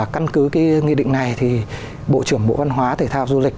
căn cứ cái nghị định này thì bộ trưởng bộ văn hóa thể thao du lịch